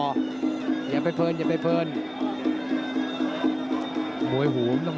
โอ้โหแดงโชว์อีกเลยเดี๋ยวดูผู้ดอลก่อน